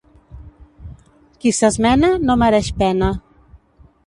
Qui s'esmena no mereix pena.